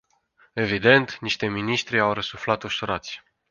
Evident, niște miniștri au răsuflat ușurați.